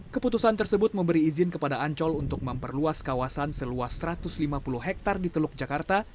keputusan tersebut memberi izin kepada ancol untuk memperluas kawasan seluas satu ratus lima puluh hektare di teluk jakarta